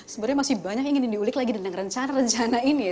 sebenarnya masih banyak yang ingin diulik lagi tentang rencana rencana ini ya